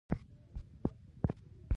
ملګرو ملتونو خپل اقدامات کړي دي.